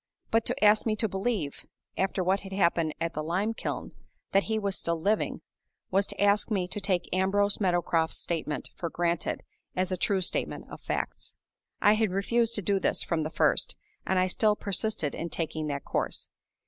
But to ask me to believe, after what had happened at the lime kiln, that he was still living, was to ask me to take Ambrose Meadowcroft's statement for granted as a true statement of facts. I had refused to do this from the first; and I still persisted in taking that course.